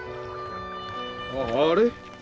ああれ？